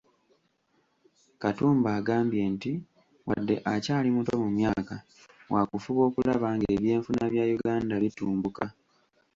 Katumba agambye nti wadde akyali muto mu myaka, waakufuba okulaba ng'ebyenfuna bya Uganda bitumbuka.